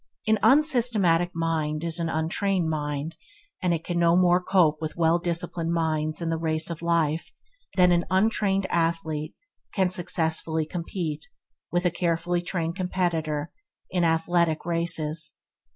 An unsystematic mind is an untrained mind and it can no more cope with well disciplined minds in the race of life than an untrained athlete can successfully complete with a carefully trained competitor in athletic competitor in athletic races.